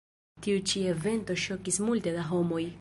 Tiu ĉi evento ŝokis multe da homoj.